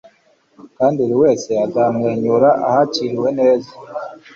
kandi buri wese azamwenyura ahakiriwe neza